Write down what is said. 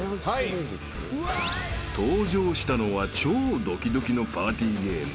［登場したのは超ドキドキのパーティーゲーム］